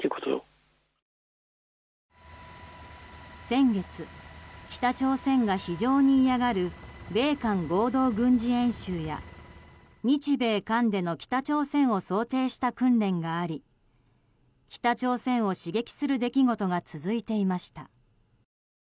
先月、北朝鮮が非常に嫌がる米韓合同軍事演習や日米韓での北朝鮮を想定した訓練があり北朝鮮を刺激する出来事が続いていました。